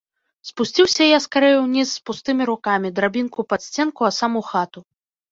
Спусціўся я скарэй уніз з пустымі рукамі, драбінку пад сценку, а сам у хату.